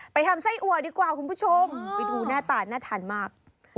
ทำไส้อัวดีกว่าคุณผู้ชมไปดูหน้าตาน่าทานมาก